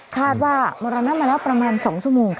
คาดว่ามรณะมาแล้วประมาณ๒ชั่วโมง